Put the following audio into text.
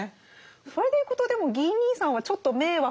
それでいくとでもギー兄さんはちょっと迷惑。